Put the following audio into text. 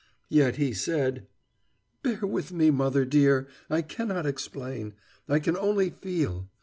"Yet he said " "Bear with me, mother dear! I cannot explain, I can only feel.